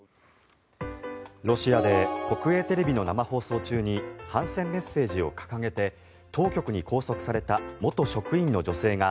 ロシアで国営テレビの生放送中に反戦メッセージを掲げて当局に拘束された元職員の女性が